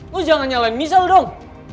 gue jangan nyalain misal dong